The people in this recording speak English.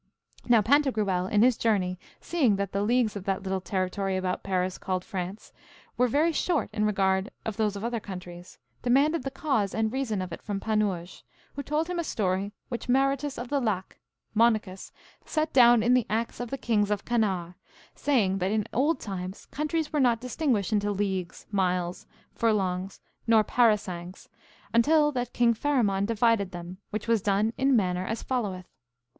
Now Pantagruel in his journey seeing that the leagues of that little territory about Paris called France were very short in regard of those of other countries, demanded the cause and reason of it from Panurge, who told him a story which Marotus of the Lac, monachus, set down in the Acts of the Kings of Canarre, saying that in old times countries were not distinguished into leagues, miles, furlongs, nor parasangs, until that King Pharamond divided them, which was done in manner as followeth.